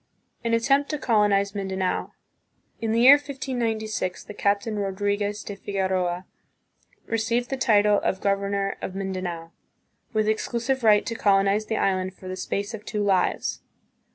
An attempt to Colonize Mindanao. In the year 1596, the Captain Rodriguez de Figueroa received the title of governor of Mindanao, with exclusive right to colonize the island for "the space of two lives."